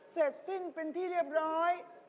เสร็จสิ้นเป็นที่เรียบร้อย